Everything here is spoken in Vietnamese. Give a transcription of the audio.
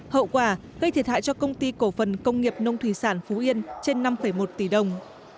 hậu quả gây thiệt hại cho công ty cổ phần công nghiệp nông thủy sản phú yên trên năm một tỷ đồng